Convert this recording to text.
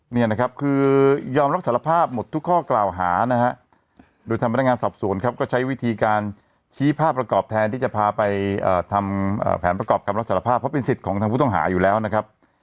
นี่นะครับคือยอมรับสารภาพหมดทุกข้อกล่าวหานะฮะโดยทางพนักงานสอบสวนครับก็ใช้วิธีการชี้ภาพประกอบแทนที่จะพาไปทำแผนประกอบคำรับสารภาพเพราะเป็นสิทธิ์ของทางผู้ต้องหาอยู่แล้วนะครับ